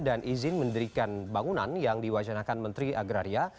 dan izin mendirikan bangunan yang diwacanakan menteri agraria